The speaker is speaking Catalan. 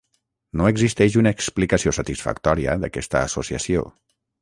No existeix una explicació satisfactòria d'aquesta associació.